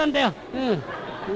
うん。